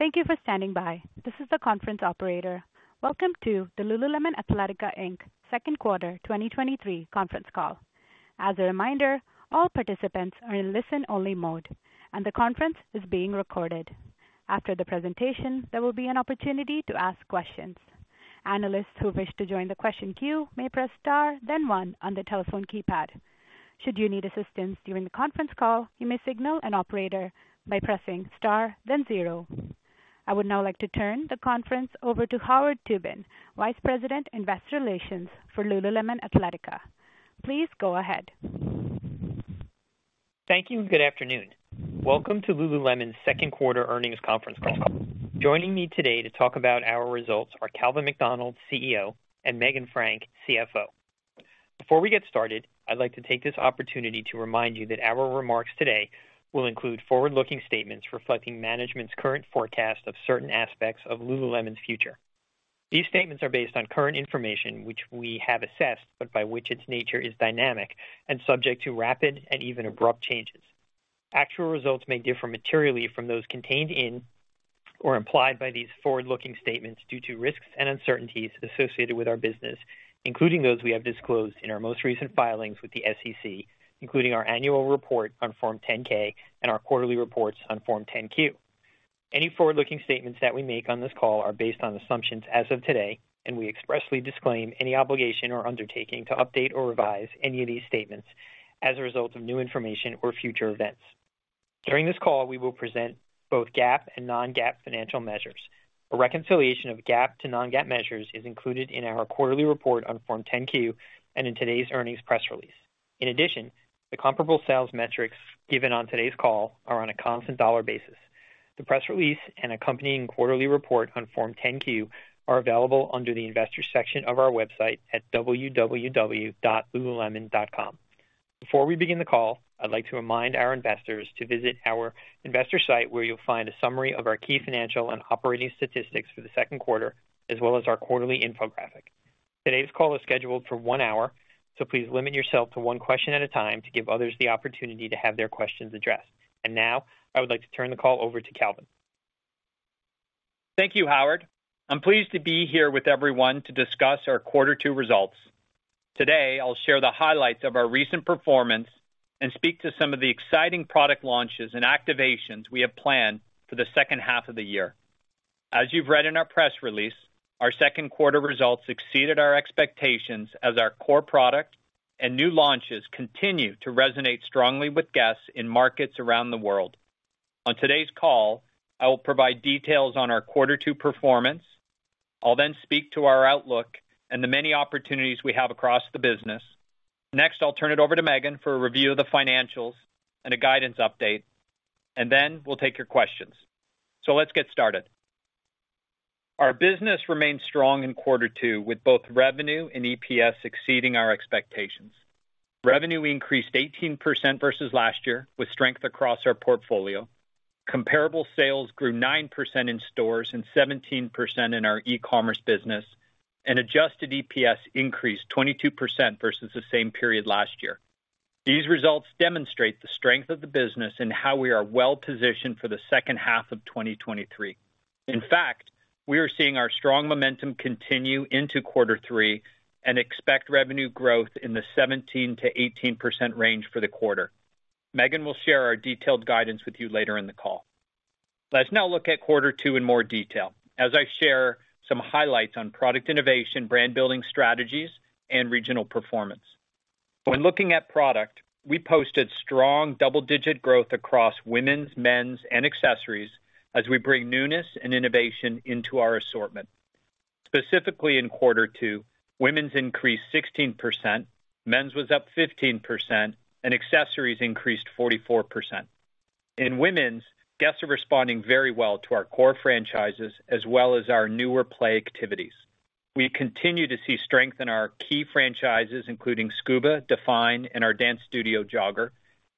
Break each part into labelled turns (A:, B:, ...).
A: Thank you for standing by. This is the conference operator. Welcome to the Lululemon Athletica, Inc. Second Quarter 2023 conference call. As a reminder, all participants are in listen-only mode, and the conference is being recorded. After the presentation, there will be an opportunity to ask questions. Analysts who wish to join the question queue may press star, then one on the telephone keypad. Should you need assistance during the conference call, you may signal an operator by pressing star, then zero. I would now like to turn the conference over to Howard Tubin, Vice President, Investor Relations for Lululemon Athletica. Please go ahead.
B: Thank you. Good afternoon. Welcome to Lululemon's second quarter earnings conference call. Joining me today to talk about our results are Calvin McDonald, CEO, and Meghan Frank, CFO. Before we get started, I'd like to take this opportunity to remind you that our remarks today will include forward-looking statements reflecting management's current forecast of certain aspects of Lululemon's future. These statements are based on current information, which we have assessed, but by its nature is dynamic and subject to rapid and even abrupt changes. Actual results may differ materially from those contained in or implied by these forward-looking statements due to risks and uncertainties associated with our business, including those we have disclosed in our most recent filings with the SEC, including our annual report on Form 10-K and our quarterly reports on Form 10-Q. Any forward-looking statements that we make on this call are based on assumptions as of today, and we expressly disclaim any obligation or undertaking to update or revise any of these statements as a result of new information or future events. During this call, we will present both GAAP and non-GAAP financial measures. A reconciliation of GAAP to non-GAAP measures is included in our quarterly report on Form 10-Q and in today's earnings press release. In addition, the comparable sales metrics given on today's call are on a constant dollar basis. The press release and accompanying quarterly report on Form 10-Q are available under the Investors section of our website at www.Lululemon.com. Before we begin the call, I'd like to remind our investors to visit our investor site, where you'll find a summary of our key financial and operating statistics for the second quarter, as well as our quarterly infographic. Today's call is scheduled for one hour, so please limit yourself to one question at a time to give others the opportunity to have their questions addressed. Now, I would like to turn the call over to Calvin.
C: Thank you, Howard. I'm pleased to be here with everyone to discuss our quarter two results. Today, I'll share the highlights of our recent performance and speak to some of the exciting product launches and activations we have planned for the second half of the year. As you've read in our press release, our second quarter results exceeded our expectations as our core product and new launches continue to resonate strongly with guests in markets around the world. On today's call, I will provide details on our quarter two performance. I'll then speak to our outlook and the many opportunities we have across the business. Next, I'll turn it over to Meghan for a review of the financials and a guidance update, and then we'll take your questions. So let's get started. Our business remained strong in quarter two, with both revenue and EPS exceeding our expectations. Revenue increased 18% versus last year, with strength across our portfolio. Comparable sales grew 9% in stores and 17% in our e-commerce business, and Adjusted EPS increased 22% versus the same period last year. These results demonstrate the strength of the business and how we are well positioned for the second half of 2023. In fact, we are seeing our strong momentum continue into quarter three and expect revenue growth in the 17%-18% range for the quarter. Meghan will share our detailed guidance with you later in the call. Let's now look at quarter two in more detail as I share some highlights on product innovation, brand building strategies, and regional performance. When looking at product, we posted strong double-digit growth across women's, men's, and accessories as we bring newness and innovation into our assortment. Specifically, in quarter two, women's increased 16%, men's was up 15%, and accessories increased 44%. In women's, guests are responding very well to our core franchises as well as our newer Play activities. We continue to see strength in our key franchises, including Scuba, Define, and our Dance Studio Jogger.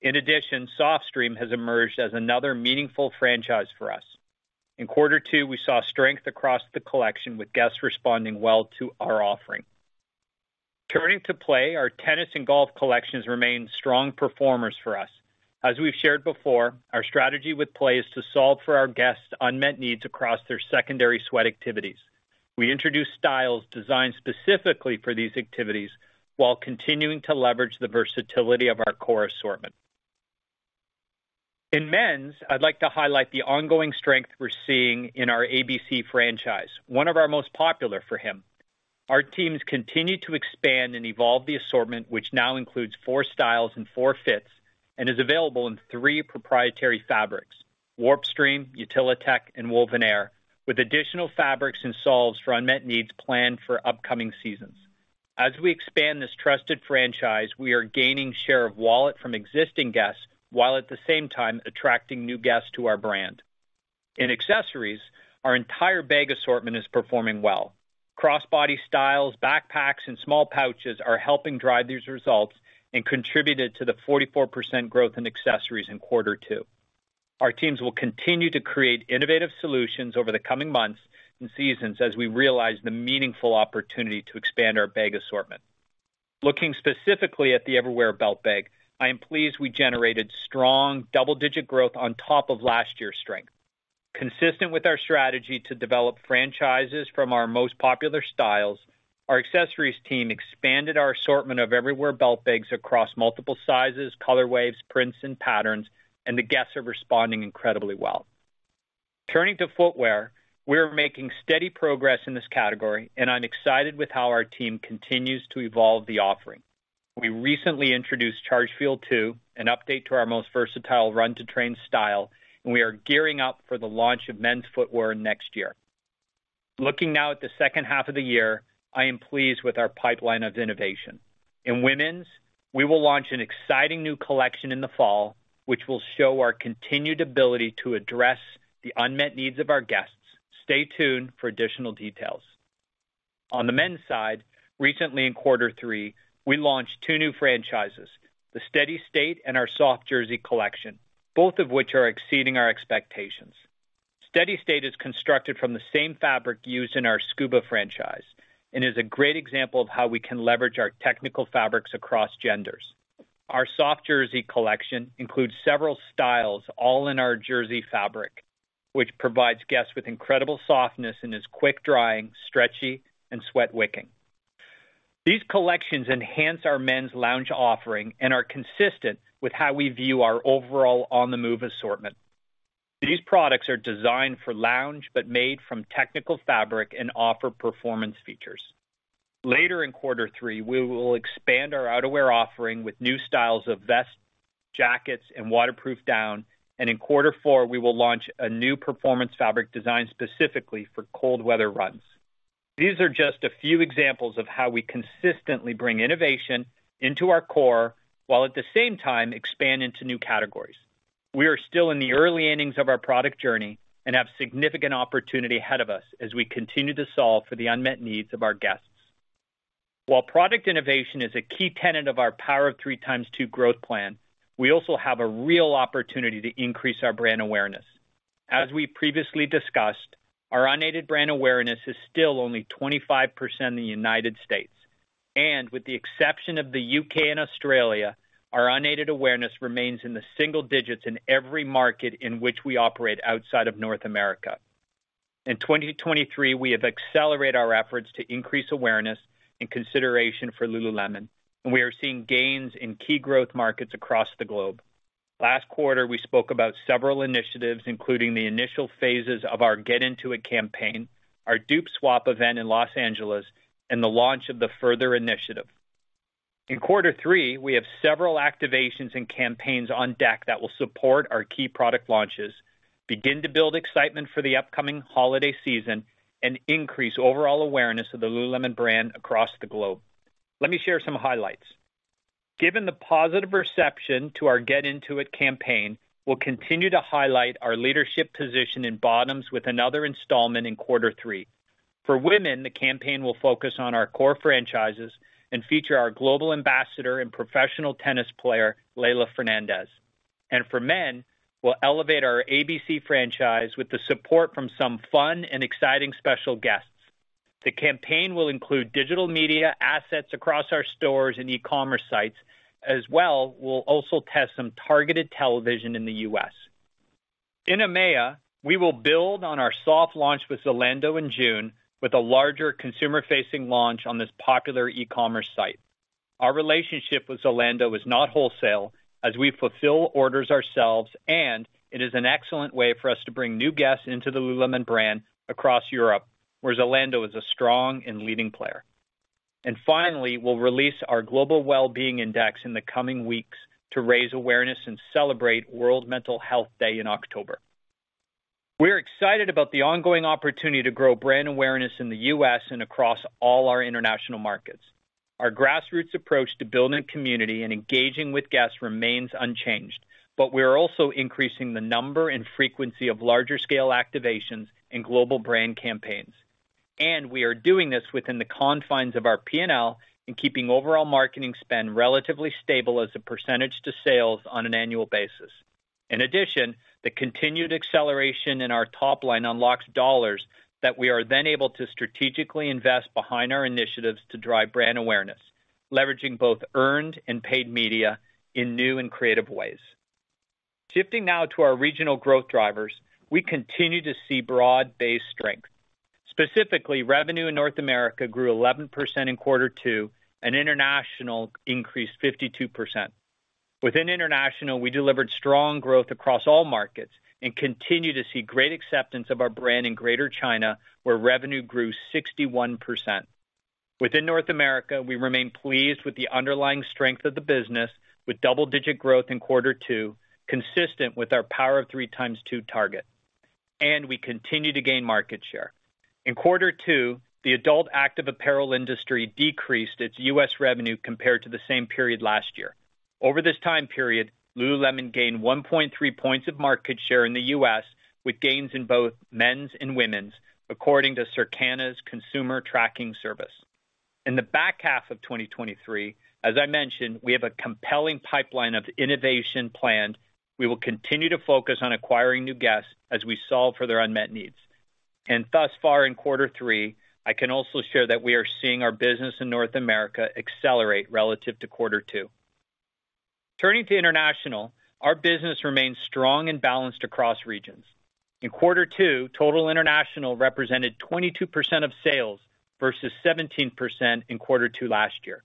C: In addition, Softstreme has emerged as another meaningful franchise for us. In quarter two, we saw strength across the collection, with guests responding well to our offering. Turning to Play, our tennis and golf collections remain strong performers for us. As we've shared before, our strategy with Play is to solve for our guests' unmet needs across their secondary sweat activities. We introduce styles designed specifically for these activities while continuing to leverage the versatility of our core assortment. In men's, I'd like to highlight the ongoing strength we're seeing in our ABC franchise, one of our most popular for him. Our teams continue to expand and evolve the assortment, which now includes four styles and four fits, and is available in three proprietary fabrics: Warpstreme, Utilitech, and WovenAir, with additional fabrics and solves for unmet needs planned for upcoming seasons. As we expand this trusted franchise, we are gaining share of wallet from existing guests, while at the same time attracting new guests to our brand. In accessories, our entire bag assortment is performing well. Crossbody styles, backpacks, and small pouches are helping drive these results and contributed to the 44% growth in accessories in quarter two. Our teams will continue to create innovative solutions over the coming months and seasons as we realize the meaningful opportunity to expand our bag assortment.... Looking specifically at the Everywhere Belt Bag, I am pleased we generated strong double-digit growth on top of last year's strength. Consistent with our strategy to develop franchises from our most popular styles, our accessories team expanded our assortment of Everywhere Belt Bags across multiple sizes, color waves, prints, and patterns, and the guests are responding incredibly well. Turning to footwear, we're making steady progress in this category, and I'm excited with how our team continues to evolve the offering. We recently introduced Chargefeel 2, an update to our most versatile run-to-train style, and we are gearing up for the launch of men's footwear next year. Looking now at the second half of the year, I am pleased with our pipeline of innovation. In women's, we will launch an exciting new collection in the fall, which will show our continued ability to address the unmet needs of our guests. Stay tuned for additional details. On the men's side, recently in quarter three, we launched two new franchises, the Steady State and our Soft Jersey collection, both of which are exceeding our expectations. Steady State is constructed from the same fabric used in our Scuba franchise and is a great example of how we can leverage our technical fabrics across genders. Our Soft Jersey collection includes several styles, all in our jersey fabric, which provides guests with incredible softness and is quick-drying, stretchy, and sweat-wicking. These collections enhance our men's lounge offering and are consistent with how we view our overall on-the-move assortment. These products are designed for lounge, but made from technical fabric and offer performance features. Later in quarter three, we will expand our outerwear offering with new styles of vests, jackets, and waterproof down, and in quarter four, we will launch a new performance fabric designed specifically for cold weather runs. These are just a few examples of how we consistently bring innovation into our core, while at the same time, expand into new categories. We are still in the early innings of our product journey and have significant opportunity ahead of us as we continue to solve for the unmet needs of our guests. While product innovation is a key tenet of our Power of Three ×2 growth plan, we also have a real opportunity to increase our brand awareness. As we previously discussed, our unaided brand awareness is still only 25% in the United States, and with the exception of the U.K. and Australia, our unaided awareness remains in the single digits in every market in which we operate outside of North America. In 2023, we have accelerated our efforts to increase awareness and consideration for Lululemon, and we are seeing gains in key growth markets across the globe. Last quarter, we spoke about several initiatives, including the initial phases of our Get Into It campaign, our Dupe Swap event in Los Angeles, and the launch of the FURTHER initiative. In quarter three, we have several activations and campaigns on deck that will support our key product launches, begin to build excitement for the upcoming holiday season, and increase overall awareness of the Lululemon brand across the globe. Let me share some highlights. Given the positive reception to our Get Into It campaign, we'll continue to highlight our leadership position in bottoms with another installment in quarter three. For women, the campaign will focus on our core franchises and feature our global ambassador and professional tennis player, Leylah Fernandez. For men, we'll elevate our ABC franchise with the support from some fun and exciting special guests. The campaign will include digital media assets across our stores and e-commerce sites. As well, we'll also test some targeted television in the U.S. In EMEA, we will build on our soft launch with Zalando in June, with a larger consumer-facing launch on this popular e-commerce site. Our relationship with Zalando is not wholesale, as we fulfill orders ourselves, and it is an excellent way for us to bring new guests into the Lululemon brand across Europe, where Zalando is a strong and leading player. And finally, we'll release our Global Wellbeing Index in the coming weeks to raise awareness and celebrate World Mental Health Day in October. We're excited about the ongoing opportunity to grow brand awareness in the U.S. and across all our international markets. Our grassroots approach to building a community and engaging with guests remains unchanged, but we are also increasing the number and frequency of larger scale activations and global brand campaigns. We are doing this within the confines of our P&L and keeping overall marketing spend relatively stable as a percentage to sales on an annual basis. In addition, the continued acceleration in our top line unlocks dollars that we are then able to strategically invest behind our initiatives to drive brand awareness, leveraging both earned and paid media in new and creative ways. Shifting now to our regional growth drivers, we continue to see broad-based strength. Specifically, revenue in North America grew 11% in quarter two, and international increased 52%. Within international, we delivered strong growth across all markets and continue to see great acceptance of our brand in Greater China, where revenue grew 61%. Within North America, we remain pleased with the underlying strength of the business, with double-digit growth in quarter two, consistent with our Power of Three x2 target, and we continue to gain market share. In quarter two, the adult active apparel industry decreased its U.S. revenue compared to the same period last year. Over this time period, Lululemon gained 1.3 points of market share in the U.S., with gains in both men's and women's, according to Circana's Consumer Tracking Service. In the back half of 2023, as I mentioned, we have a compelling pipeline of innovation planned. We will continue to focus on acquiring new guests as we solve for their unmet needs.... and thus far in quarter three, I can also share that we are seeing our business in North America accelerate relative to quarter two. Turning to international, our business remains strong and balanced across regions. In quarter two, total international represented 22% of sales, versus 17% in quarter two last year.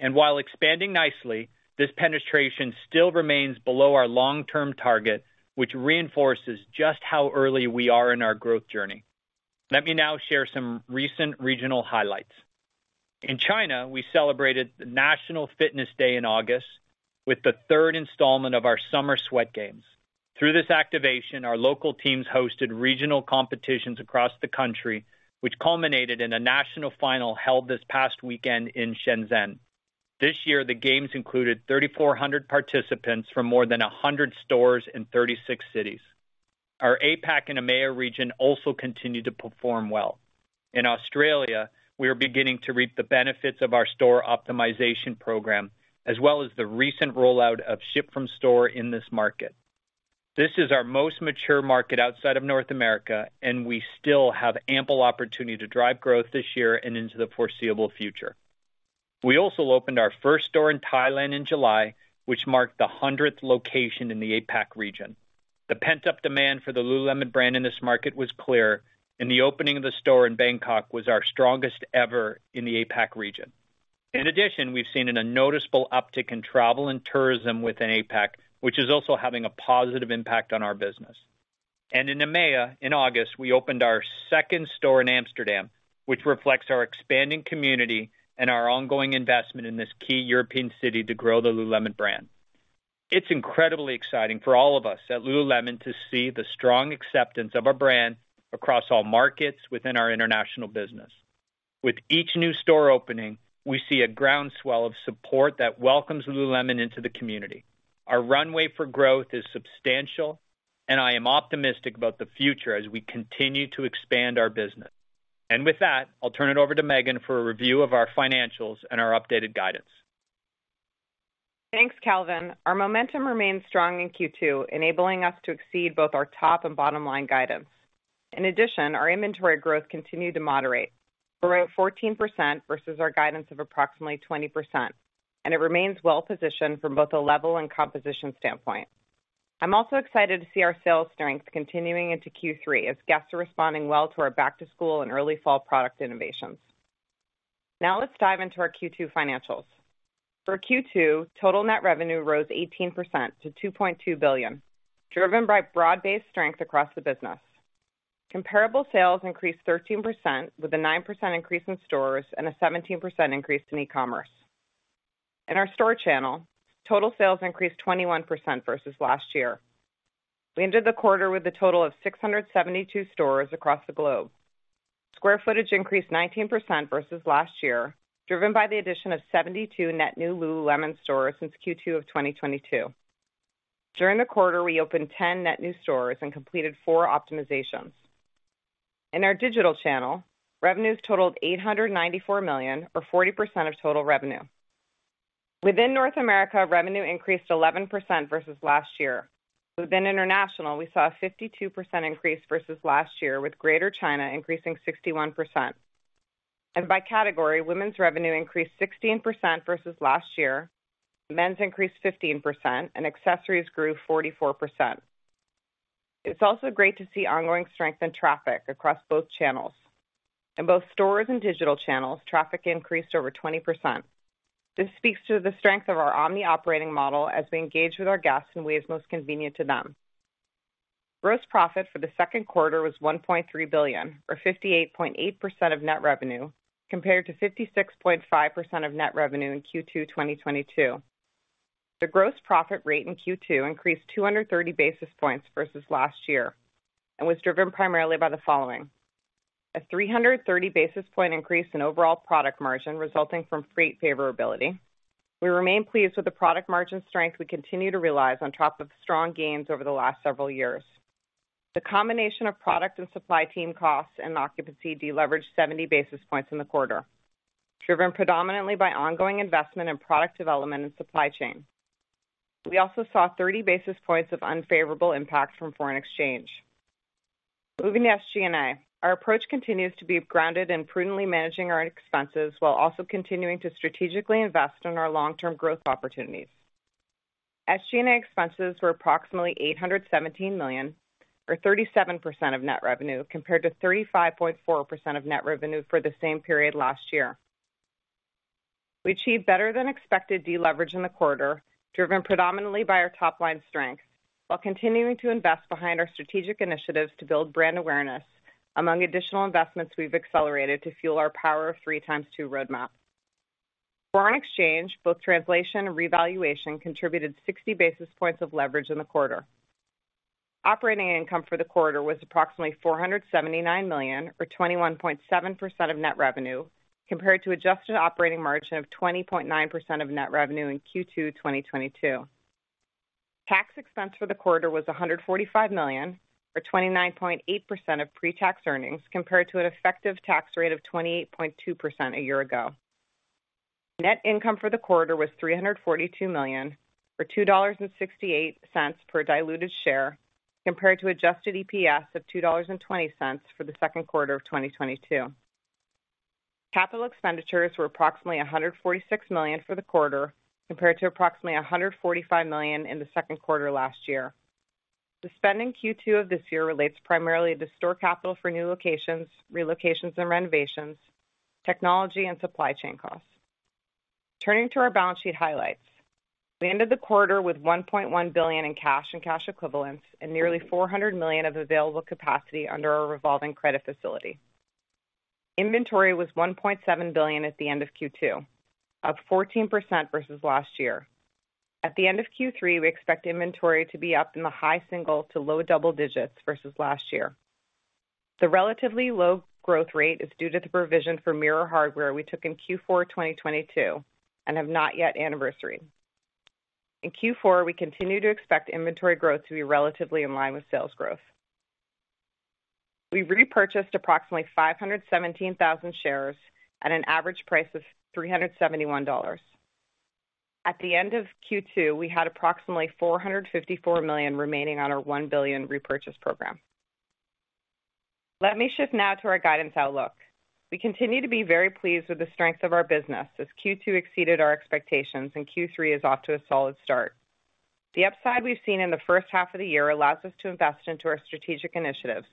C: And while expanding nicely, this penetration still remains below our long-term target, which reinforces just how early we are in our growth journey. Let me now share some recent regional highlights. In China, we celebrated the National Fitness Day in August with the third installment of our Summer Sweat Games. Through this activation, our local teams hosted regional competitions across the country, which culminated in a national final held this past weekend in Shenzhen. This year, the games included 3,400 participants from more than 100 stores in 36 cities. Our APAC and EMEA region also continued to perform well. In Australia, we are beginning to reap the benefits of our store optimization program, as well as the recent rollout of Ship from Store in this market. This is our most mature market outside of North America, and we still have ample opportunity to drive growth this year and into the foreseeable future. We also opened our first store in Thailand in July, which marked the 100th location in the APAC region. The pent-up demand for the Lululemon brand in this market was clear, and the opening of the store in Bangkok was our strongest ever in the APAC region. In addition, we've seen a noticeable uptick in travel and tourism within APAC, which is also having a positive impact on our business. In EMEA, in August, we opened our second store in Amsterdam, which reflects our expanding community and our ongoing investment in this key European city to grow the Lululemon brand. It's incredibly exciting for all of us at Lululemon to see the strong acceptance of our brand across all markets within our international business. With each new store opening, we see a groundswell of support that welcomes Lululemon into the community. Our runway for growth is substantial, and I am optimistic about the future as we continue to expand our business. And with that, I'll turn it over to Meghan for a review of our financials and our updated guidance.
D: Thanks, Calvin. Our momentum remains strong in Q2, enabling us to exceed both our top and bottom line guidance. In addition, our inventory growth continued to moderate, we're at 14% versus our guidance of approximately 20%, and it remains well positioned from both a level and composition standpoint. I'm also excited to see our sales strength continuing into Q3 as guests are responding well to our back to school and early fall product innovations. Now let's dive into our Q2 financials. For Q2, total net revenue rose 18% to $2.2 billion, driven by broad-based strength across the business. Comparable sales increased 13%, with a 9% increase in stores and a 17% increase in e-commerce. In our store channel, total sales increased 21% versus last year. We ended the quarter with a total of 672 stores across the globe. Square footage increased 19% versus last year, driven by the addition of 72 net new Lululemon stores since Q2 of 2022. During the quarter, we opened 10 net new stores and completed 4 optimizations. In our digital channel, revenues totaled $894 million, or 40% of total revenue. Within North America, revenue increased 11% versus last year. Within international, we saw a 52% increase versus last year, with Greater China increasing 61%. By category, women's revenue increased 16% versus last year, men's increased 15%, and accessories grew 44%. It's also great to see ongoing strength in traffic across both channels. In both stores and digital channels, traffic increased over 20%. This speaks to the strength of our omni operating model as we engage with our guests in ways most convenient to them. Gross profit for the second quarter was $1.3 billion, or 58.8% of net revenue, compared to 56.5% of net revenue in Q2 2022. The gross profit rate in Q2 increased 230 basis points versus last year and was driven primarily by the following: A 330 basis point increase in overall product margin resulting from freight favorability. We remain pleased with the product margin strength we continue to realize on top of strong gains over the last several years. The combination of product and supply team costs and occupancy deleveraged 70 basis points in the quarter, driven predominantly by ongoing investment in product development and supply chain. We also saw 30 basis points of unfavorable impact from foreign exchange. Moving to SG&A. Our approach continues to be grounded in prudently managing our expenses while also continuing to strategically invest in our long-term growth opportunities. SG&A expenses were approximately $817 million, or 37% of net revenue, compared to 35.4% of net revenue for the same period last year. We achieved better than expected deleverage in the quarter, driven predominantly by our top line strength, while continuing to invest behind our strategic initiatives to build brand awareness among additional investments we've accelerated to fuel our Power of Three x2 roadmap. Foreign exchange, both translation and revaluation, contributed 60 basis points of leverage in the quarter. Operating income for the quarter was approximately $479 million, or 21.7% of net revenue, compared to adjusted operating margin of 20.9% of net revenue in Q2 2022. Tax expense for the quarter was $145 million, or 29.8% of pre-tax earnings, compared to an effective tax rate of 28.2% a year ago. Net income for the quarter was $342 million, or $2.68 per diluted share, compared to Adjusted EPS of $2.20 for the second quarter of 2022. Capital expenditures were approximately $146 million for the quarter, compared to approximately $145 million in the second quarter last year. The spend in Q2 of this year relates primarily to store capital for new locations, relocations and renovations, technology, and supply chain costs. Turning to our balance sheet highlights. We ended the quarter with $1.1 billion in cash and cash equivalents, and nearly $400 million of available capacity under our revolving credit facility. Inventory was $1.7 billion at the end of Q2, up 14% versus last year. At the end of Q3, we expect inventory to be up in the high single- to low double-digit % versus last year. The relatively low growth rate is due to the provision for Mirror Hardware we took in Q4 2022 and have not yet anniversaried. In Q4, we continue to expect inventory growth to be relatively in line with sales growth. We repurchased approximately 517,000 shares at an average price of $371. At the end of Q2, we had approximately $454 million remaining on our $1 billion repurchase program. Let me shift now to our guidance outlook. We continue to be very pleased with the strength of our business, as Q2 exceeded our expectations and Q3 is off to a solid start. The upside we've seen in the first half of the year allows us to invest into our strategic initiatives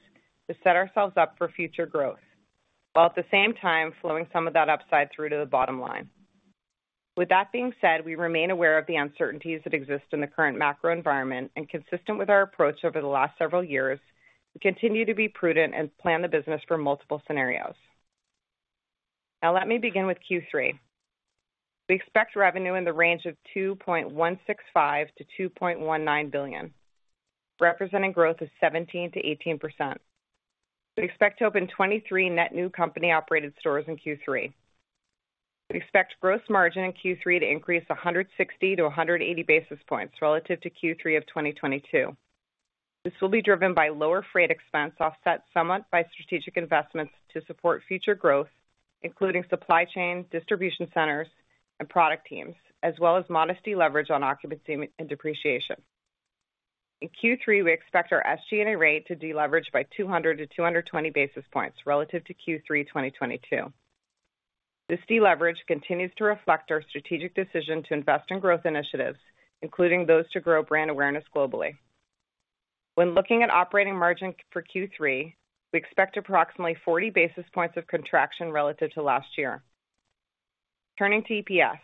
D: to set ourselves up for future growth, while at the same time flowing some of that upside through to the bottom line. With that being said, we remain aware of the uncertainties that exist in the current macro environment, and consistent with our approach over the last several years, we continue to be prudent and plan the business for multiple scenarios. Now, let me begin with Q3. We expect revenue in the range of $2.165 billion-$2.19 billion, representing growth of 17%-18%. We expect to open 23 net new company-operated stores in Q3. We expect gross margin in Q3 to increase 160-180 basis points relative to Q3 of 2022. This will be driven by lower freight expense, offset somewhat by strategic investments to support future growth, including supply chain, distribution centers, and product teams, as well as modesty leverage on occupancy and depreciation. In Q3, we expect our SG&A rate to deleverage by 200-220 basis points relative to Q3 2022. This deleverage continues to reflect our strategic decision to invest in growth initiatives, including those to grow brand awareness globally. When looking at operating margin for Q3, we expect approximately 40 basis points of contraction relative to last year. Turning to EPS,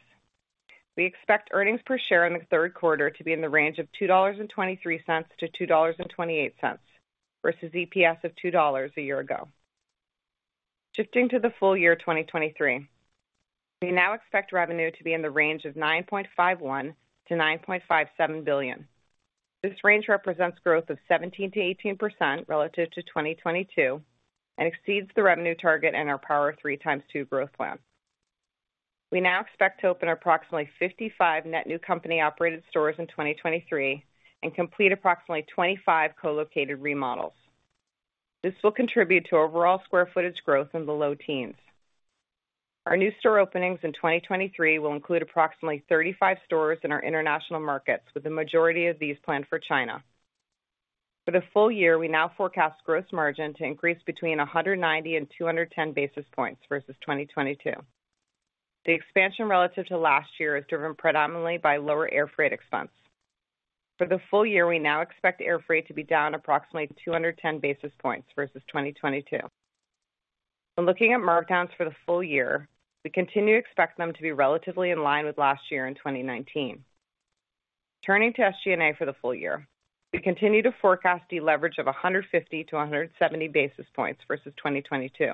D: we expect earnings per share in the third quarter to be in the range of $2.23-$2.28, versus EPS of $2 a year ago. Shifting to the full year, 2023, we now expect revenue to be in the range of $9.51-$9.57 billion. This range represents growth of 17%-18% relative to 2022 and exceeds the revenue target in our Power of Three x2 growth plan. We now expect to open approximately 55 net new company-operated stores in 2023 and complete approximately 25 co-located remodels. This will contribute to overall square footage growth in the low teens. Our new store openings in 2023 will include approximately 35 stores in our international markets, with the majority of these planned for China. For the full year, we now forecast gross margin to increase between 190 and 210 basis points versus 2022. The expansion relative to last year is driven predominantly by lower air freight expense. For the full year, we now expect air freight to be down approximately 210 basis points versus 2022. When looking at markdowns for the full year, we continue to expect them to be relatively in line with last year in 2019. Turning to SG&A for the full year, we continue to forecast deleverage of 150-170 basis points versus 2022.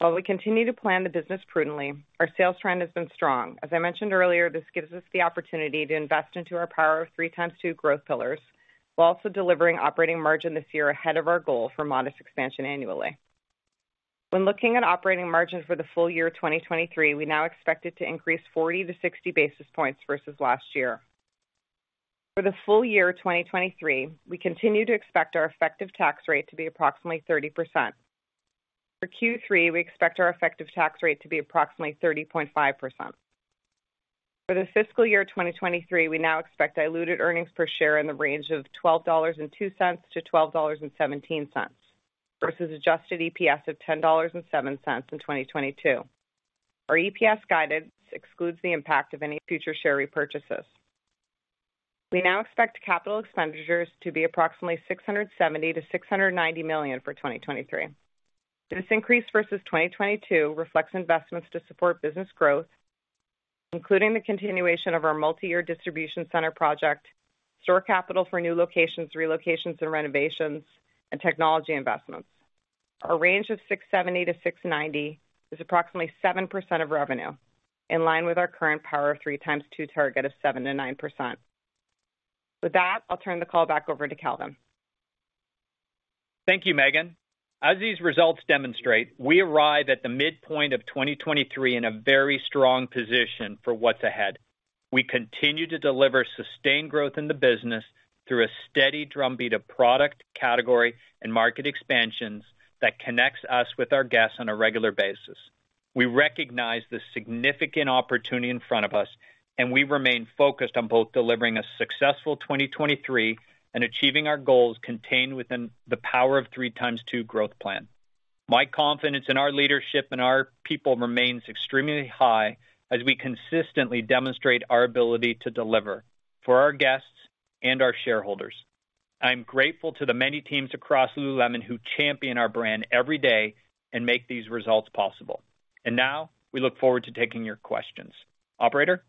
D: While we continue to plan the business prudently, our sales trend has been strong. As I mentioned earlier, this gives us the opportunity to invest into our Power of Three x2 growth pillars, while also delivering operating margin this year ahead of our goal for modest expansion annually. When looking at operating margin for the full year 2023, we now expect it to increase 40-60 basis points versus last year. For the full year 2023, we continue to expect our effective tax rate to be approximately 30%. For Q3, we expect our effective tax rate to be approximately 30.5%. For the fiscal year 2023, we now expect diluted earnings per share in the range of $12.02-$12.17, versus Adjusted EPS of $10.07 in 2022. Our EPS guidance excludes the impact of any future share repurchases. We now expect capital expenditures to be approximately $670 million-$690 million for 2023. This increase versus 2022 reflects investments to support business growth, including the continuation of our multi-year distribution center project, store capital for new locations, relocations and renovations, and technology investments. Our range of $670 million-$690 million is approximately 7% of revenue, in line with our current Power of Three x2 target of 7%-9%. With that, I'll turn the call back over to Calvin.
C: Thank you, Meghan. As these results demonstrate, we arrive at the midpoint of 2023 in a very strong position for what's ahead. We continue to deliver sustained growth in the business through a steady drumbeat of product, category, and market expansions that connects us with our guests on a regular basis. We recognize the significant opportunity in front of us, and we remain focused on both delivering a successful 2023 and achieving our goals contained within the Power of Three x2 of growth plan. My confidence in our leadership and our people remains extremely high as we consistently demonstrate our ability to deliver for our guests and our shareholders. I'm grateful to the many teams across Lululemon who champion our brand every day and make these results possible. And now we look forward to taking your questions. Operator?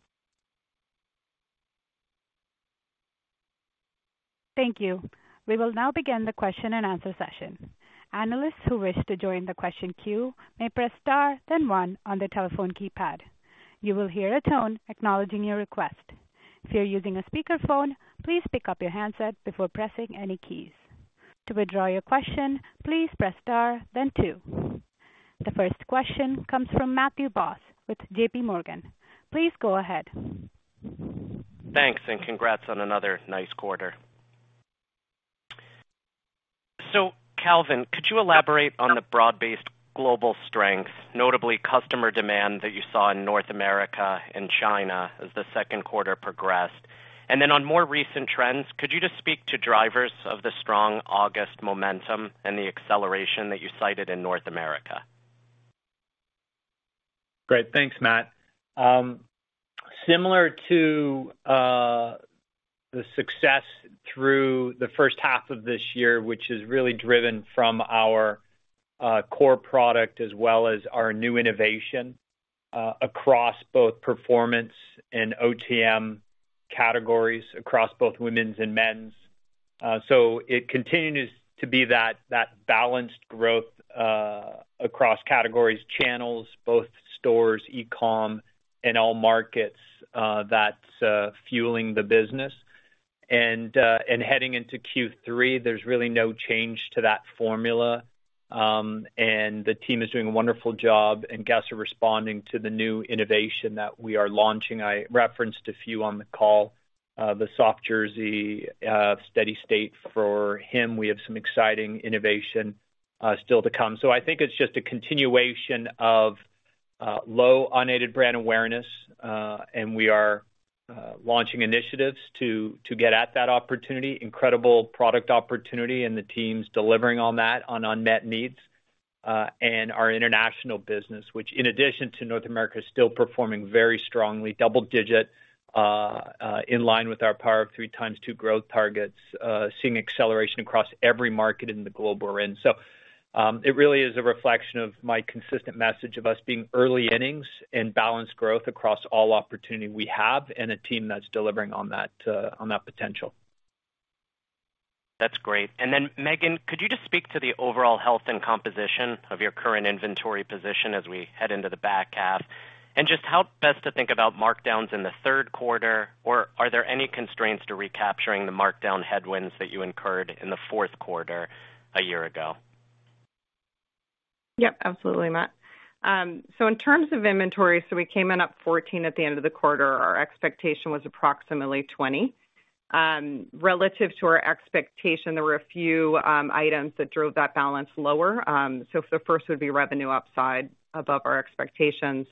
A: Thank you. We will now begin the question and answer session. Analysts who wish to join the question queue may press Star, then One on their telephone keypad. You will hear a tone acknowledging your request. If you're using a speakerphone, please pick up your handset before pressing any keys. To withdraw your question, please press star then Two. The first question comes from Matthew Boss with JPMorgan. Please go ahead.
E: Thanks, and congrats on another nice quarter. So Calvin, could you elaborate on the broad-based global strength, notably customer demand, that you saw in North America and China as the second quarter progressed? And then on more recent trends, could you just speak to drivers of the strong August momentum and the acceleration that you cited in North America?
C: Great. Thanks, Matt. Similar to the success through the first half of this year, which is really driven from our core product as well as our new innovation across both performance and OTM categories, across both women's and men's. So it continues to be that balanced growth across categories, channels, both stores, e-com and all markets, that's fueling the business. And heading into Q3, there's really no change to that formula. And the team is doing a wonderful job, and guests are responding to the new innovation that we are launching. I referenced a few on the call, the Soft Jersey, Steady State. For him, we have some exciting innovation still to come. So I think it's just a continuation of low unaided brand awareness, and we are launching initiatives to get at that opportunity, incredible product opportunity, and the team's delivering on that, on unmet needs, and our international business, which in addition to North America, is still performing very strongly. Double-digit, in line with our Power of Three x2 growth targets, seeing acceleration across every market in the globe we're in. So it really is a reflection of my consistent message of us being early innings and balanced growth across all opportunity we have and a team that's delivering on that, on that potential.
E: That's great. And then, Meghan, could you just speak to the overall health and composition of your current inventory position as we head into the back half? And just how best to think about markdowns in the third quarter, or are there any constraints to recapturing the markdown headwinds that you incurred in the fourth quarter a year ago?
D: Yep, absolutely, Matt. So in terms of inventory, we came in up 14 at the end of the quarter. Our expectation was approximately 20. Relative to our expectation, there were a few items that drove that balance lower. So the first would be revenue upside above our expectations,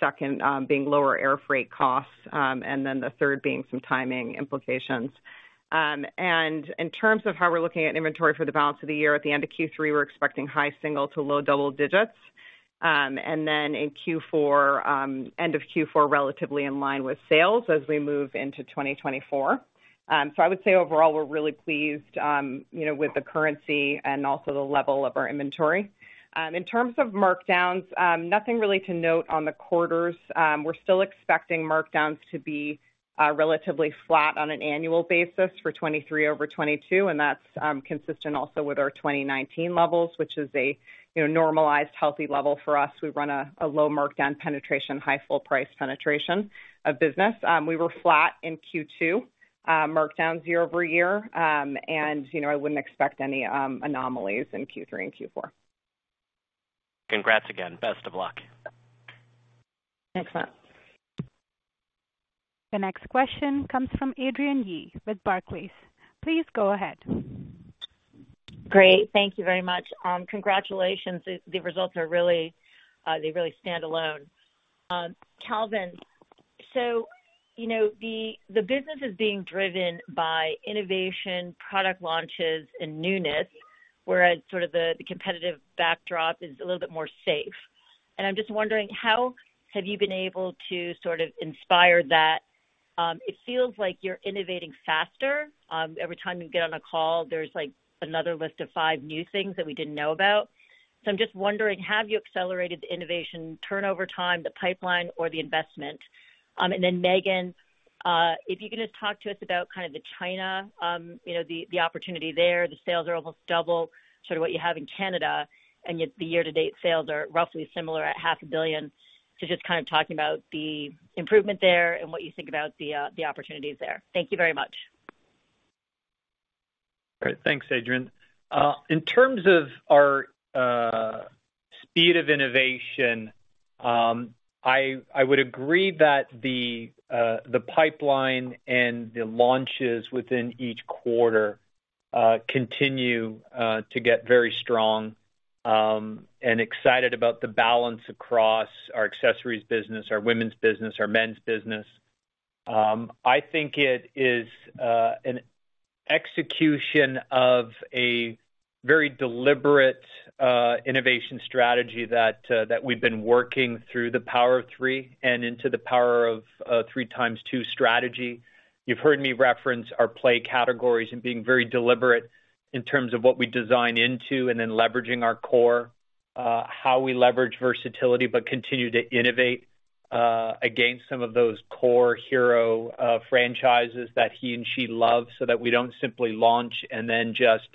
D: second, being lower air freight costs, and then the third being some timing implications. And in terms of how we're looking at inventory for the balance of the year, at the end of Q3, we're expecting high single to low double digits. And then in Q4, end of Q4, relatively in line with sales as we move into 2024. So I would say overall, we're really pleased, you know, with the currency and also the level of our inventory. In terms of markdowns, nothing really to note on the quarters. We're still expecting markdowns to be relatively flat on an annual basis for 2023 over 2022, and that's consistent also with our 2019 levels, which is a, you know, normalized, healthy level for us. We run a low markdown penetration, high full price penetration of business. We were flat in Q2, markdown year-over-year. And you know, I wouldn't expect any anomalies in Q3 and Q4.
E: Congrats again. Best of luck.
D: Thanks, Matt.
A: The next question comes from Adrienne Yih with Barclays. Please go ahead.
F: Great. Thank you very much. Congratulations. The results are really, they really stand alone. Calvin, so you know, the business is being driven by innovation, product launches and newness, whereas sort of the competitive backdrop is a little bit more safe. And I'm just wondering, how have you been able to sort of inspire that? It feels like you're innovating faster. Every time you get on a call, there's, like, another list of five new things that we didn't know about. So I'm just wondering, have you accelerated the innovation turnover time, the pipeline, or the investment? And then, Meghan, if you could just talk to us about kind of the China, you know, the opportunity there. The sales are almost double, sort of, what you have in Canada, and yet the year-to-date sales are roughly similar at $500 million. So just kind of talking about the improvement there and what you think about the opportunities there. Thank you very much.
C: All right. Thanks, Adrienne. In terms of our speed of innovation, I would agree that the pipeline and the launches within each quarter continue to get very strong, and excited about the balance across our accessories business, our women's business, our men's business. I think it is an execution of a very deliberate innovation strategy that we've been working through the Power of Three and into the Power of Three x2 strategy. You've heard me reference our play categories and being very deliberate in terms of what we design into and then leveraging our core, how we leverage versatility, but continue to innovate against some of those core hero franchises that he and she love, so that we don't simply launch and then just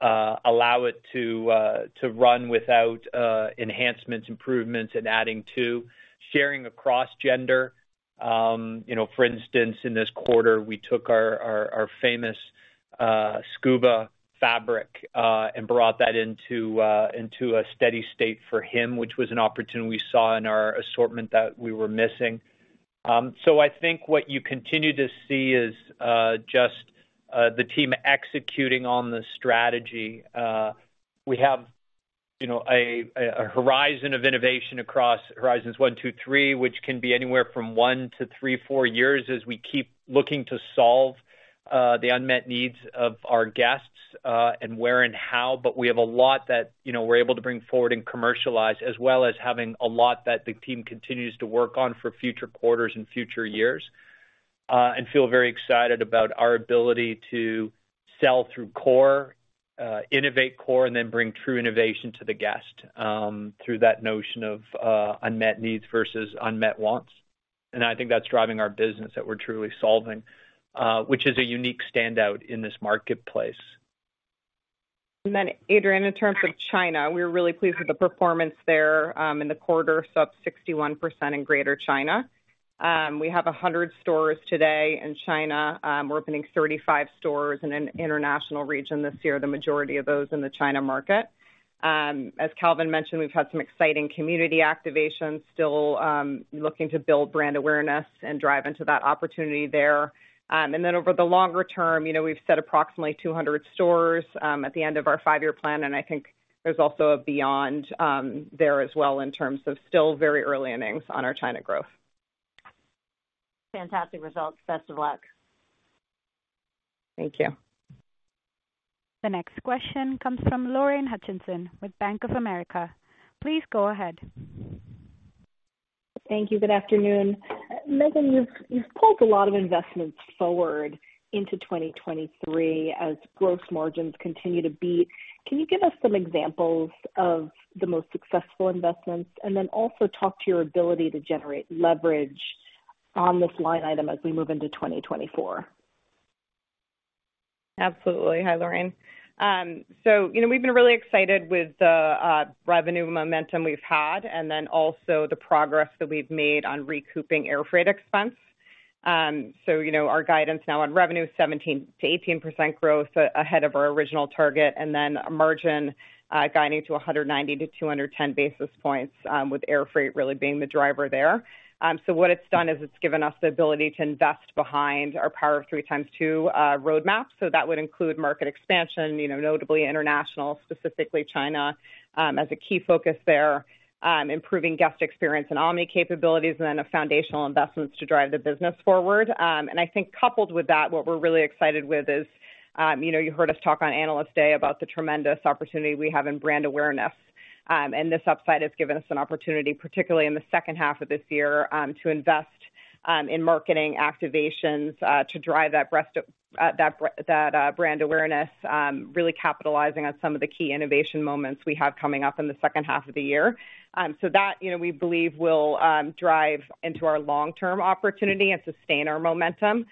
C: allow it to run without enhancements, improvements, and adding to. Sharing across gender, you know, for instance, in this quarter, we took our famous Scuba fabric and brought that into a Steady State for him, which was an opportunity we saw in our assortment that we were missing. So I think what you continue to see is just the team executing on the strategy. We have, you know, a horizon of innovation across horizons 1, 2, 3, which can be anywhere from 1 to 3, 4 years as we keep looking to solve the unmet needs of our guests and where and how. But we have a lot that, you know, we're able to bring forward and commercialize, as well as having a lot that the team continues to work on for future quarters and future years. And feel very excited about our ability to sell through core, innovate core, and then bring true innovation to the guest through that notion of unmet needs versus unmet wants. And I think that's driving our business that we're truly solving, which is a unique standout in this marketplace.
D: Adrienne, in terms of China, we're really pleased with the performance there, in the quarter, so up 61% in Greater China. We have 100 stores today in China. We're opening 35 stores in an international region this year, the majority of those in the China market. As Calvin mentioned, we've had some exciting community activations still, looking to build brand awareness and drive into that opportunity there. And then over the longer term, you know, we've set approximately 200 stores, at the end of our five-year plan, and I think there's also a beyond, there as well in terms of still very early innings on our China growth.
F: Fantastic results. Best of luck.
D: Thank you.
A: The next question comes from Lorraine Hutchinson with Bank of America. Please go ahead.
G: Thank you. Good afternoon. Meghan, you've, you've pulled a lot of investments forward into 2023 as gross margins continue to beat. Can you give us some examples of the most successful investments? And then also talk to your ability to generate leverage on this line item as we move into 2024.
D: Absolutely. Hi, Lorraine. So, you know, we've been really excited with the revenue momentum we've had, and then also the progress that we've made on recouping air freight expense. So, you know, our guidance now on revenue is 17%-18% growth, ahead of our original target, and then margin, guiding to 190-210 basis points, with air freight really being the driver there. So what it's done is it's given us the ability to invest behind our Power of Three x2 roadmap. So that would include market expansion, you know, notably international, specifically China, as a key focus there, improving guest experience and omni capabilities, and then a foundational investments to drive the business forward. And I think coupled with that, what we're really excited with is, you know, you heard us talk on Analyst Day about the tremendous opportunity we have in brand awareness. And this upside has given us an opportunity, particularly in the second half of this year, to invest in marketing activations to drive that brand awareness, really capitalizing on some of the key innovation moments we have coming up in the second half of the year. So that, you know, we believe will drive into our long-term opportunity and sustain our momentum.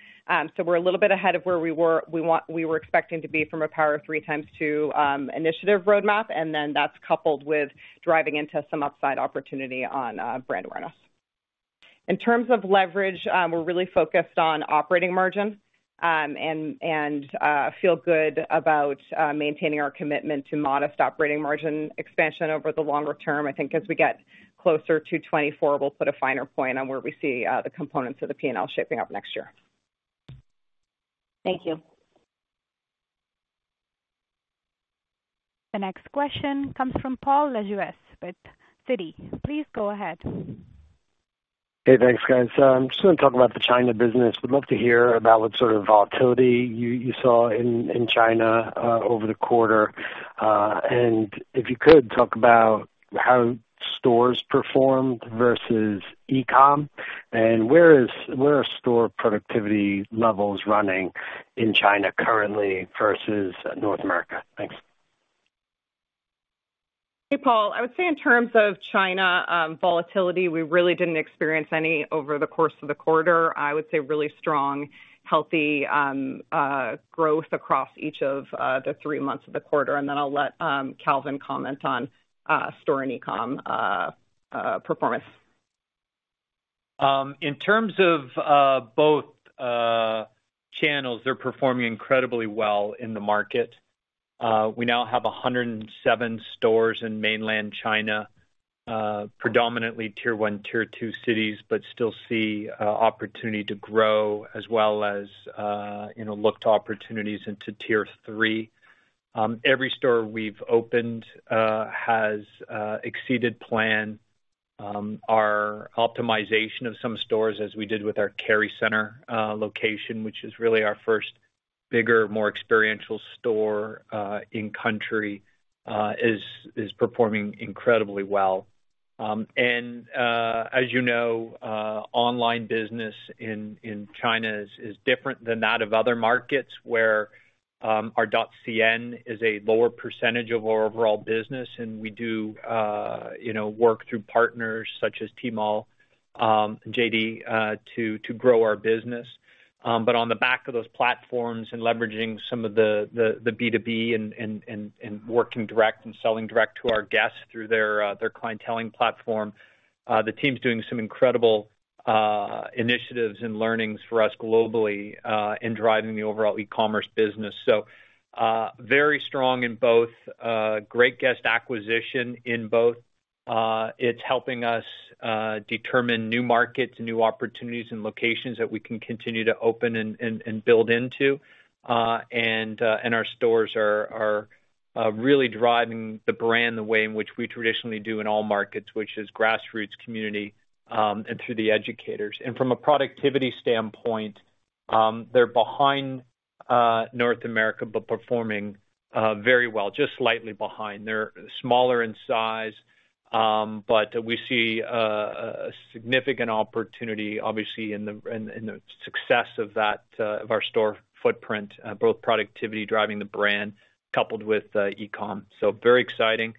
D: So we're a little bit ahead of where we were expecting to be from a Power of Three x2 initiative roadmap, and then that's coupled with driving into some upside opportunity on brand awareness. In terms of leverage, we're really focused on operating margin, and feel good about maintaining our commitment to modest operating margin expansion over the longer term. I think as we get closer to 2024, we'll put a finer point on where we see the components of the P&L shaping up next year.
G: Thank you.
A: The next question comes from Paul Lejuez with Citi. Please go ahead.
H: Hey, thanks, guys. I'm just gonna talk about the China business. Would love to hear about what sort of volatility you saw in China over the quarter. If you could talk about how stores performed versus e-com, and where are store productivity levels running in China currently versus North America? Thanks.
D: Hey, Paul. I would say in terms of China volatility, we really didn't experience any over the course of the quarter. I would say really strong, healthy growth across each of the three months of the quarter, and then I'll let Calvin comment on store and e-com performance.
C: In terms of both channels, they're performing incredibly well in the market. We now have 107 stores in mainland China, predominantly Tier 1, Tier 2 cities, but still see opportunity to grow as well as, you know, look to opportunities into Tier 3. Every store we've opened has exceeded plan. Our optimization of some stores, as we did with our Kerry Center location, which is really our first bigger, more experiential store in country, is performing incredibly well. And as you know, online business in China is different than that of other markets where our .cn is a lower percentage of our overall business, and we do, you know, work through partners such as Tmall, JD to grow our business. But on the back of those platforms and leveraging some of the B2B and working direct and selling direct to our guests through their clienteling platform, the team's doing some incredible initiatives and learnings for us globally in driving the overall e-commerce business. So, very strong in both, great guest acquisition in both. It's helping us determine new markets and new opportunities and locations that we can continue to open and build into. And our stores are really driving the brand the way in which we traditionally do in all markets, which is grassroots community and through the educators. And from a productivity standpoint, they're behind North America, but performing very well, just slightly behind. They're smaller in size, but we see a significant opportunity, obviously, in the success of that of our store footprint, both productivity driving the brand coupled with e-com. So very exciting,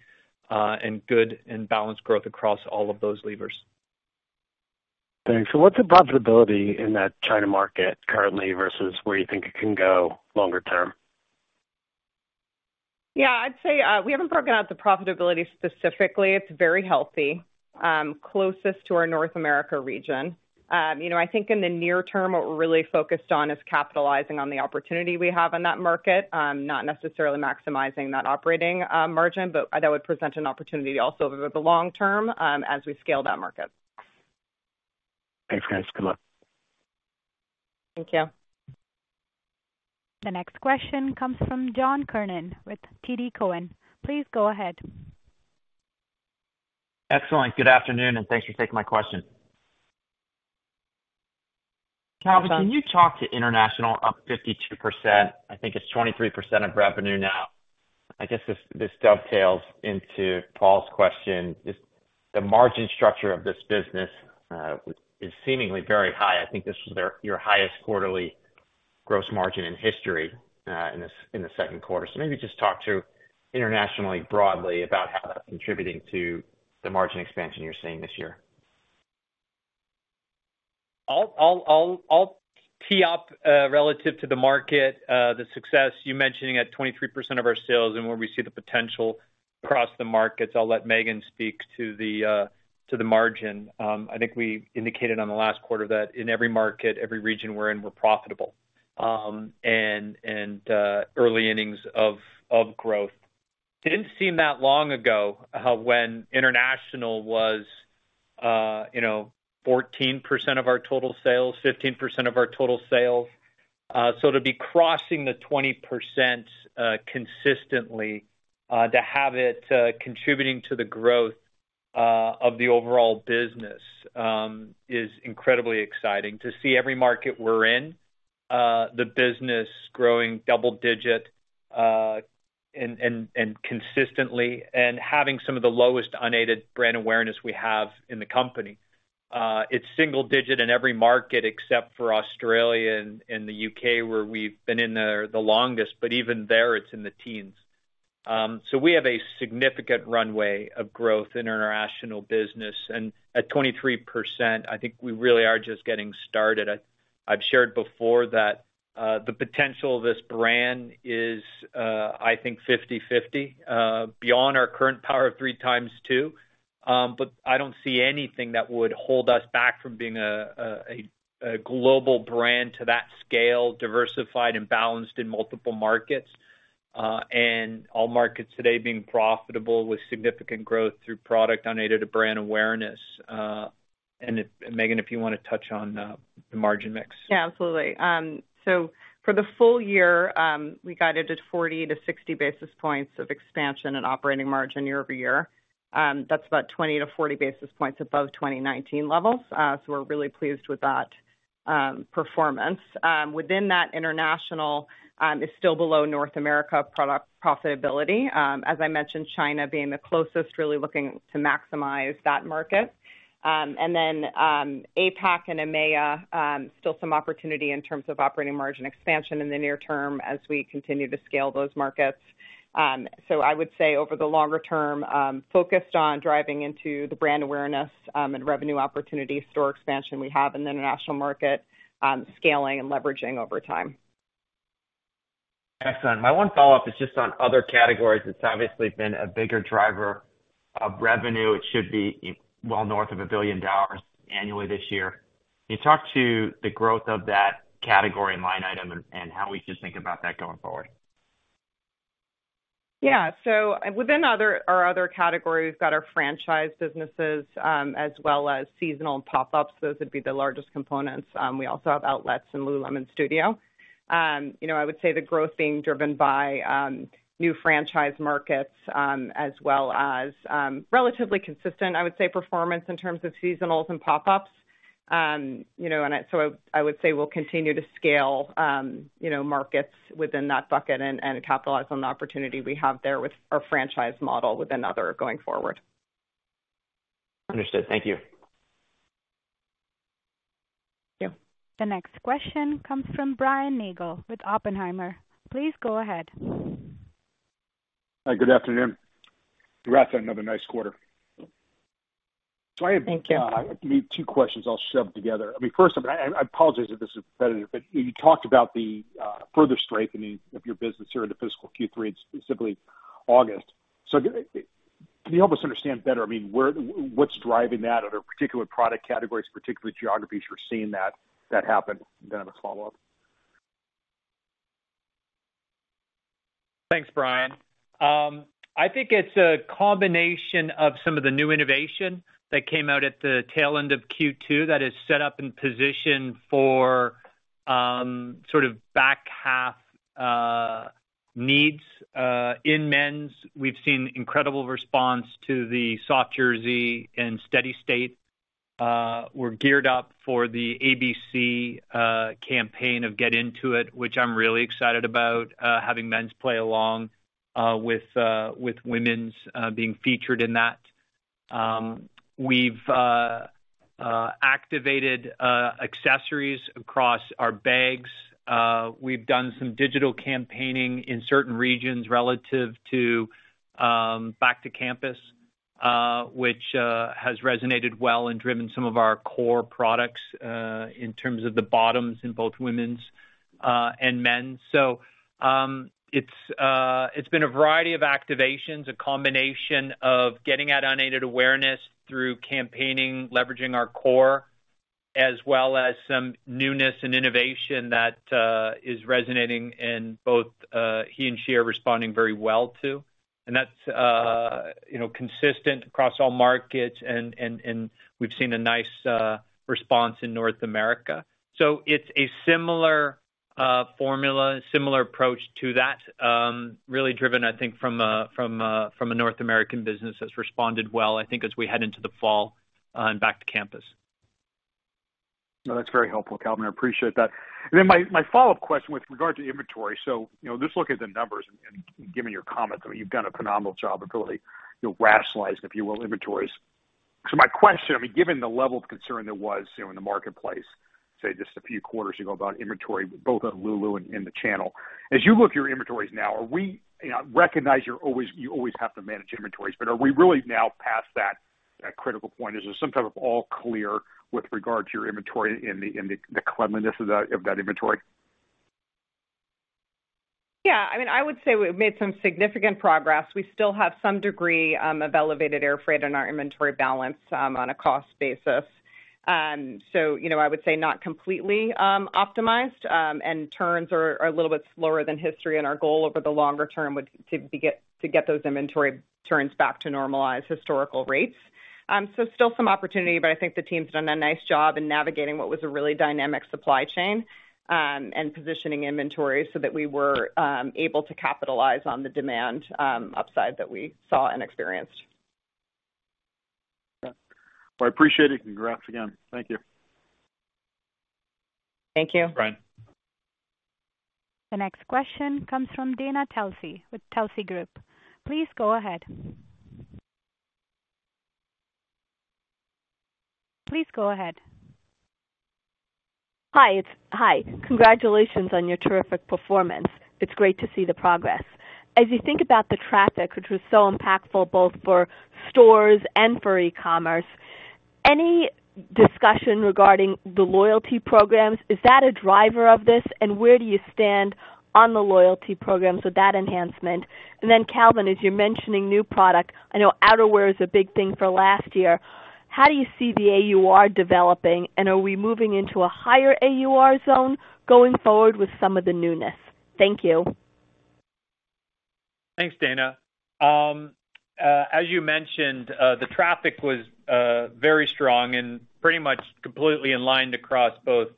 C: and good and balanced growth across all of those levers.
H: Thanks. So what's the profitability in that China market currently versus where you think it can go longer term?
D: Yeah, I'd say, we haven't broken out the profitability specifically. It's very healthy, closest to our North America region. You know, I think in the near term, what we're really focused on is capitalizing on the opportunity we have in that market, not necessarily maximizing that operating margin, but that would present an opportunity also over the long-term, as we scale that market.
H: Thanks, guys. Good luck.
D: Thank you.
A: The next question comes from John Kernan with TD Cowen. Please go ahead.
I: Excellent. Good afternoon, and thanks for taking my question.
D: Welcome.
I: Calvin, can you talk to international up 52%? I think it's 23% of revenue now. I guess this, this dovetails into Paul's question. Just the margin structure of this business is seemingly very high. I think this is their- your highest quarterly gross margin in history, in the second quarter. So maybe just talk to internationally, broadly about how that's contributing to the margin expansion you're seeing this year.
C: I'll tee up relative to the market, the success you mentioning at 23% of our sales and where we see the potential across the markets. I'll let Meghan speak to the margin. I think we indicated on the last quarter that in every market, every region we're in, we're profitable. And early innings of growth. Didn't seem that long ago, when international was, you know, 14% of our total sales, 15% of our total sales. So to be crossing the 20%, consistently, to have it contributing to the growth of the overall business, is incredibly exciting. To see every market we're in, the business growing double-digit and consistently and having some of the lowest unaided brand awareness we have in the company. It's single-digit in every market except for Australia and the U.K., where we've been in there the longest, but even there, it's in the teens. So we have a significant runway of growth in international business, and at 23%, I think we really are just getting started. I've shared before that the potential of this brand is, I think 50/50, beyond our current Power of Three x2 But I don't see anything that would hold us back from being a global brand to that scale, diversified and balanced in multiple markets, and all markets today being profitable with significant growth through product, unaided brand awareness. And Meghan, if you want to touch on the margin mix.
D: Yeah, absolutely. So for the full year, we guided at 40-60 basis points of expansion and operating margin year-over-year. That's about 20-40 basis points above 2019 levels. So we're really pleased with that performance. Within that, international is still below North America product profitability. As I mentioned, China being the closest, really looking to maximize that market. And then, APAC and EMEA still some opportunity in terms of operating margin expansion in the near term as we continue to scale those markets. So I would say over the longer term, focused on driving into the brand awareness and revenue opportunity, store expansion we have in the international market, scaling and leveraging over time.
I: Excellent. My one follow-up is just on other categories. It's obviously been a bigger driver of revenue. It should be well north of $1 billion annually this year. Can you talk to the growth of that category and line item and how we should think about that going forward?
D: Yeah. So within other, our other category, we've got our franchise businesses, as well as seasonal pop-ups. Those would be the largest components. We also have outlets in Lululemon Studio. You know, I would say the growth being driven by new franchise markets, as well as relatively consistent, I would say, performance in terms of seasonals and pop-ups. You know, and so I would say we'll continue to scale markets within that bucket and capitalize on the opportunity we have there with our franchise model within other going forward.
I: Understood. Thank you.
D: Thank you.
A: The next question comes from Brian Nagel with Oppenheimer. Please go ahead.
J: Hi, good afternoon. Congrats on another nice quarter.
D: Thank you.
J: So I have maybe two questions I'll shove together. I mean, first, I apologize if this is repetitive, but you talked about the further strengthening of your business here in the fiscal Q3, specifically August. So can you help us understand better, I mean, where—what's driving that? Are there particular product categories, particular geographies we're seeing that happen? Then I have a follow-up.
C: Thanks, Brian. I think it's a combination of some of the new innovation that came out at the tail end of Q2 that is set up in position for sort of back half needs. In men's, we've seen incredible response to the Soft Jersey and Steady State. We're geared up for the ABC campaign of Get Into It, which I'm really excited about, having men's play along with women's being featured in that. We've activated accessories across our bags. We've done some digital campaigning in certain regions relative to back to campus, which has resonated well and driven some of our core products in terms of the bottoms in both women's and men's. So, it's been a variety of activations, a combination of getting out unaided awareness through campaigning, leveraging our core, as well as some newness and innovation that is resonating and both he and she are responding very well to. And that's, you know, consistent across all markets, and, and, and we've seen a nice response in North America. So it's a similar formula, similar approach to that, really driven, I think, from a North American business that's responded well, I think, as we head into the fall and back to campus.
J: No, that's very helpful, Calvin. I appreciate that. And then my follow-up question with regard to inventory. So, you know, just look at the numbers and given your comments, I mean, you've done a phenomenal job of really, you know, rationalizing, if you will, inventories. So my question, I mean, given the level of concern there was, you know, in the marketplace, say, just a few quarters ago about inventory, both on Lulu and in the channel. As you look at your inventories now, are we? You know, recognize you always have to manage inventories, but are we really now past that critical point? Is there some type of all clear with regard to your inventory and the cleanliness of that inventory?
D: Yeah, I mean, I would say we've made some significant progress. We still have some degree of elevated air freight in our inventory balance, on a cost basis. So, you know, I would say not completely optimized, and turns are a little bit slower than history, and our goal over the longer term would be to get those inventory turns back to normalized historical rates. So still some opportunity, but I think the team's done a nice job in navigating what was a really dynamic supply chain, and positioning inventory so that we were able to capitalize on the demand upside that we saw and experienced.
J: Okay. Well, I appreciate it, and congrats again. Thank you.
D: Thank you.
C: Thanks, Brian.
A: The next question comes from Dana Telsey with Telsey Group. Please go ahead. Please go ahead.
K: Hi. Congratulations on your terrific performance. It's great to see the progress. As you think about the traffic, which was so impactful, both for stores and for e-commerce, any discussion regarding the loyalty programs? Is that a driver of this? And where do you stand on the loyalty programs with that enhancement? And then, Calvin, as you're mentioning, new product, I know outerwear is a big thing for last year. How do you see the AUR developing, and are we moving into a higher AUR zone going forward with some of the newness? Thank you.
C: Thanks, Dana. As you mentioned, the traffic was very strong and pretty much completely in line across both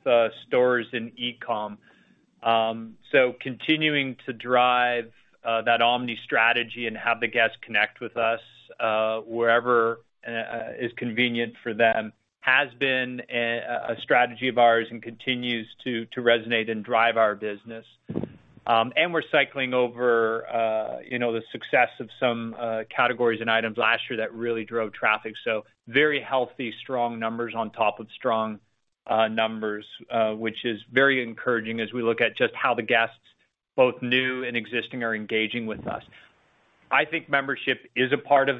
C: stores and e-com. So continuing to drive that omni strategy and have the guests connect with us wherever is convenient for them has been a strategy of ours and continues to resonate and drive our business. And we're cycling over, you know, the success of some categories and items last year that really drove traffic. So very healthy, strong numbers on top of strong numbers, which is very encouraging as we look at just how the guests, both new and existing, are engaging with us. I think membership is a part of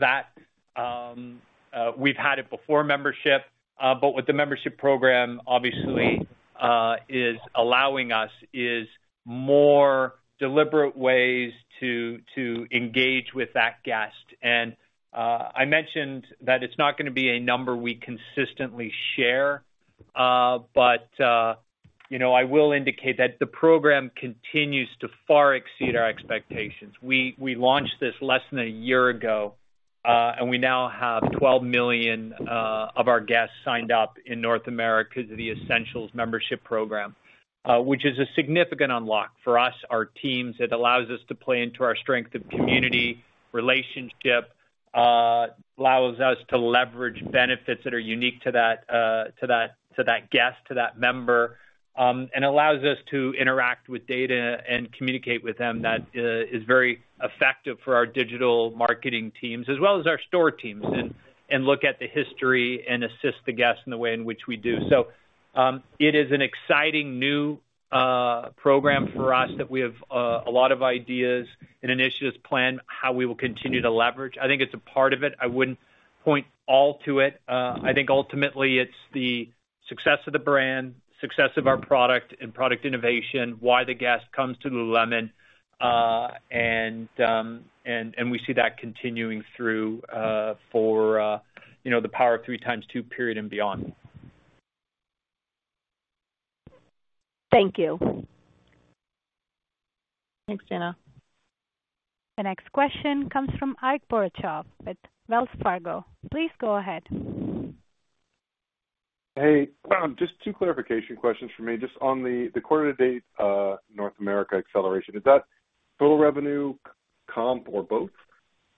C: that. We've had it before, membership, but with the membership program, obviously, is allowing us is more deliberate ways to, to engage with that guest. And, I mentioned that it's not gonna be a number we consistently share, but, you know, I will indicate that the program continues to far exceed our expectations. We, we launched this less than a year ago, and we now have 12 million, of our guests signed up in North America to the Essentials Membership program, which is a significant unlock for us, our teams. It allows us to play into our strength of community, relationship, allows us to leverage benefits that are unique to that, to that guest, to that member, and allows us to interact with data and communicate with them that is very effective for our digital marketing teams as well as our store teams, and look at the history and assist the guest in the way in which we do. So, it is an exciting new program for us that we have a lot of ideas and initiatives planned, how we will continue to leverage. I think it's a part of it. I wouldn't point all to it. I think ultimately it's the success of the brand, success of our product and product innovation, why the guest comes to Lululemon, and we see that continuing through, you know, the Power of Three x2 period and beyond.
K: Thank you.
D: Thanks, Dana.
A: The next question comes from Ike Boruchow with Wells Fargo. Please go ahead.
L: Hey, just two clarification questions for me. Just on the quarter to date, North America acceleration, is that total revenue, comp, or both?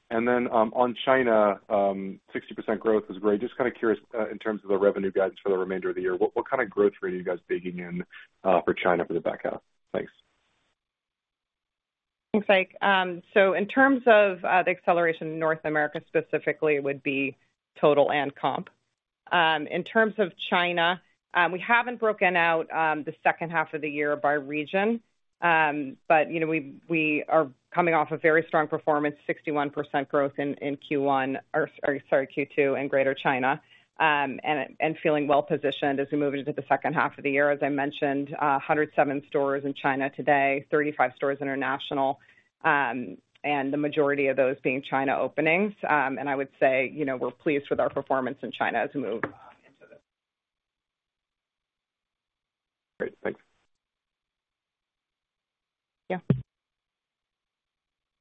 L: And then, on China, 60% growth is great. Just kind of curious, in terms of the revenue guidance for the remainder of the year, what kind of growth rate are you guys baking in, for China for the back half? Thanks.
D: Thanks, Ike. So in terms of the acceleration in North America, specifically would be total and comp. In terms of China, we haven't broken out the second half of the year by region. But, you know, we are coming off a very strong performance, 61% growth in Q1, or sorry, Q2 in Greater China, and feeling well positioned as we move into the second half of the year. As I mentioned, 107 stores in China today, 35 stores international, and the majority of those being China openings. And I would say, you know, we're pleased with our performance in China as we move on into this.
L: Great. Thanks.
D: Yeah.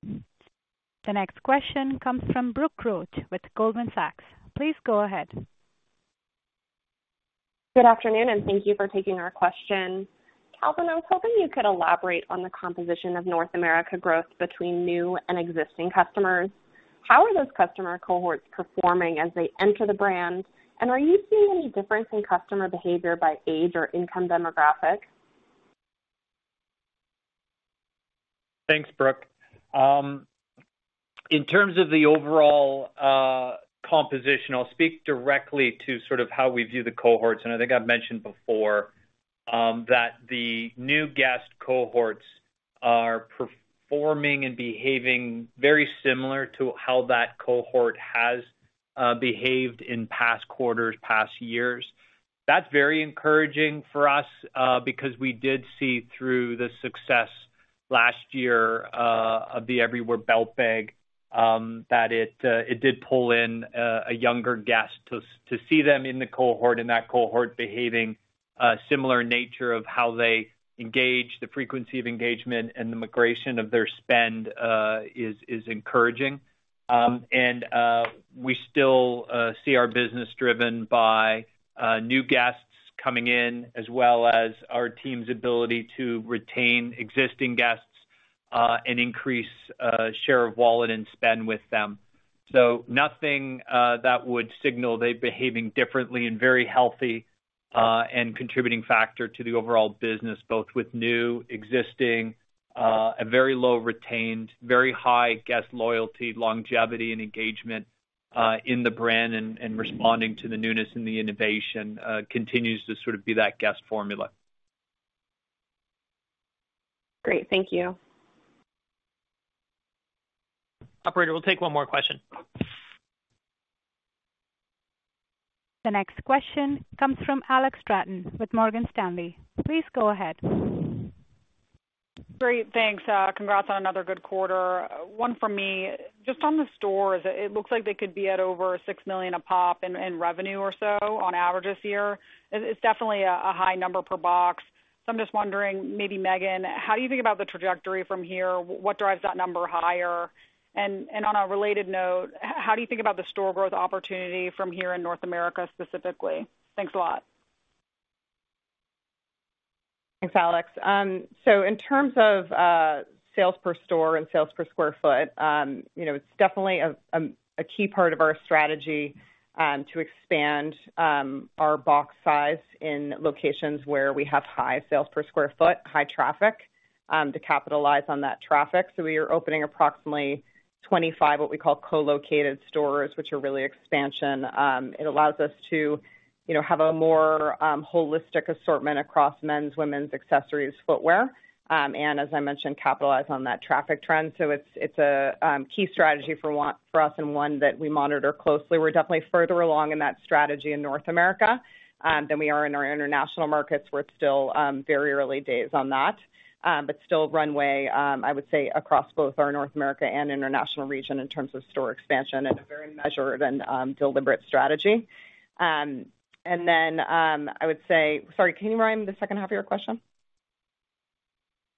A: The next question comes from Brooke Roach with Goldman Sachs. Please go ahead.
M: Good afternoon, and thank you for taking our question. Calvin, I was hoping you could elaborate on the composition of North America growth between new and existing customers. How are those customer cohorts performing as they enter the brand? And are you seeing any difference in customer behavior by age or income demographic?
C: Thanks, Brooke. In terms of the overall composition, I'll speak directly to sort of how we view the cohorts, and I think I've mentioned before, that the new guest cohorts are performing and behaving very similar to how that cohort has behaved in past quarters, past years. That's very encouraging for us, because we did see through the success last year of the Everywhere Belt Bag, that it did pull in a younger guest. To see them in the cohort, and that cohort behaving similar in nature of how they engage, the frequency of engagement and the migration of their spend, is encouraging. And we still see our business driven by new guests coming in, as well as our team's ability to retain existing guests, and increase share of wallet and spend with them. So nothing that would signal they're behaving differently and very healthy, and contributing factor to the overall business, both with new, existing, a very low retained, very high guest loyalty, longevity, and engagement in the brand, and responding to the newness and the innovation continues to sort of be that guest formula.
M: Great. Thank you.
C: Operator, we'll take one more question.
A: The next question comes from Alex Straton with Morgan Stanley. Please go ahead.
N: Great. Thanks, congrats on another good quarter. One from me. Just on the stores, it looks like they could be at over $6 million a pop in revenue or so on average this year. It's definitely a high number per box. So I'm just wondering, maybe Meghan, how do you think about the trajectory from here? What drives that number higher? And on a related note, how do you think about the store growth opportunity from here in North America, specifically? Thanks a lot.
D: Thanks, Alex. So in terms of sales per store and sales per square foot, you know, it's definitely a key part of our strategy to expand our box size in locations where we have high sales per square foot, high traffic to capitalize on that traffic. So we are opening approximately 25, what we call co-located stores, which are really expansion. It allows us to, you know, have a more holistic assortment across men's, women's, accessories, footwear, and as I mentioned, capitalize on that traffic trend. So it's a key strategy for us, and one that we monitor closely. We're definitely further along in that strategy in North America than we are in our international markets, where it's still very early days on that. But still runway, I would say, across both our North America and international region in terms of store expansion and a very measured and deliberate strategy. And then, I would say... Sorry, can you remind me the second half of your question?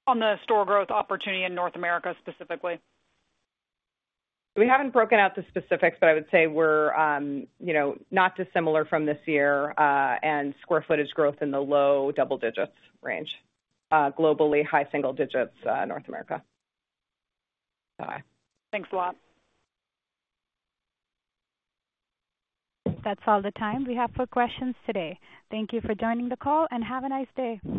N: On the store growth opportunity in North America, specifically.
D: We haven't broken out the specifics, but I would say we're, you know, not dissimilar from this year, and square footage growth in the low double digits range. Globally, high single digits, North America. Bye-bye.
N: Thanks a lot.
A: That's all the time we have for questions today. Thank you for joining the call, and have a nice day!